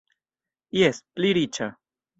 Jes, pli riĉa.